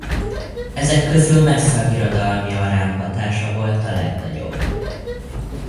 Ezek közül messze a birodalmi arám hatása volt a legnagyobb.